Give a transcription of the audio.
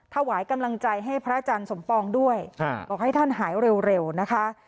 ถวายกำลังใจให้พระอาจารย์สมปองด้วยบอกให้ท่านหายเร็วนะคะ